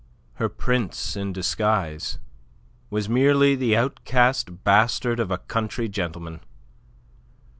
Her prince in disguise was merely the outcast bastard of a country gentleman!